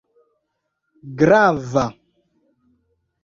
grava